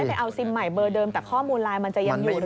ตอบให้ไปเอาซิมใหม่เบอร์เดิมแต่ข้อมูลไลน์มันจะยังอยู่หรือเปล่า